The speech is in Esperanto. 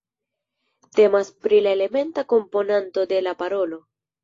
Temas pri la elementa komponanto de la parolo.